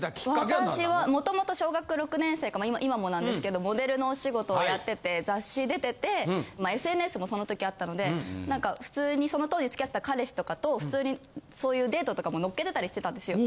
私はもともと小学６年生今もなんですけどモデルのお仕事をやってて雑誌出ててＳＮＳもその時あったので何か普通にその当時付き合ってた彼氏とかと普通にそういうデートとかものっけてたりしてたんですよ。